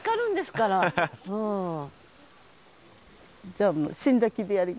じゃあもう死んだ気で。